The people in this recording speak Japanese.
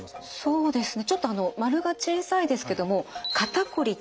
そうですね